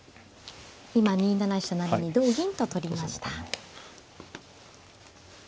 今２七飛車成に同銀と取りました。